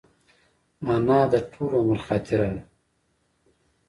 انا د ټول عمر خاطره ده